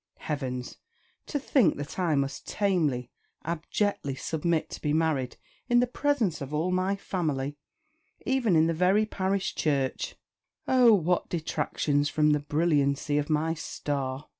Heavens! to think that I must tamely, abjectly submit to be married in the presence of all my family, even in the very parish church! Oh, what detractions from the brilliancy of my star!"